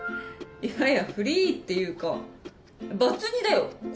いやいやフリーっていうかバツ２だよ子いるよ？